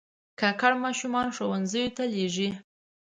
کاکړ ماشومان ښوونځیو ته لېږي.